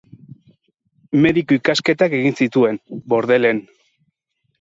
Mediku ikasketak egin zituen, Bordelen.